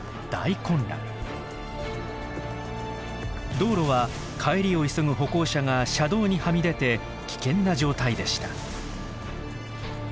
道路は帰りを急ぐ歩行者が車道にはみ出て危険な状態でした。